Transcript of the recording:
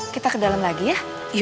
kita ke dalam lagi ya